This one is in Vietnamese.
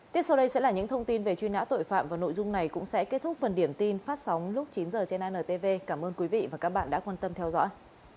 tiếp sau đây sẽ là những thông tin về truy nã tội phạm và nội dung này cũng sẽ kết thúc phần điểm tin phát sóng lúc chín h trên antv cảm ơn quý vị và các bạn đã quan tâm theo dõi